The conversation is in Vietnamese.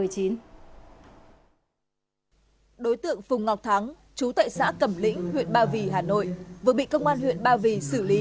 phùng ngọc thắng chú tại xã cẩm lĩnh huyện bao vì hà nội vừa bị công an huyện bao vì xử lý